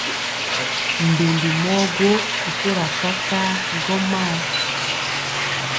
Mbembi mɔɔ gwo nkura kakaa gɔmayɛ.